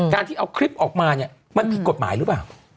ที่เอาคลิปออกมาเนี่ยมันผิดกฎหมายหรือเปล่า